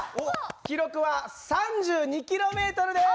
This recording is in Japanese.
記録は３２ｋｍです！